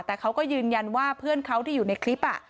แต่เขาก็ยืนยันว่าเพื่อนเขาที่อยู่ในคลิป